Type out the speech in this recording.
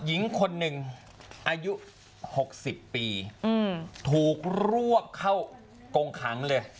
หญิงคนหนึ่งอายุ๖๐ปีถูกรวบเข้ากงขังเลย